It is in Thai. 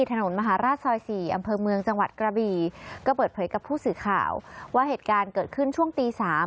ถนนมหาราชซอย๔อำเภอเมืองจังหวัดกระบีก็เปิดเผยกับผู้สื่อข่าวว่าเหตุการณ์เกิดขึ้นช่วงตี๓